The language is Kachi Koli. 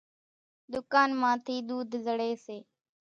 ۮُڪانَ مان ٿِي ۮوڌ زڙيَ سي۔